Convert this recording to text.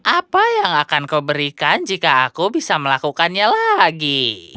apa yang akan kau berikan jika aku bisa melakukannya lagi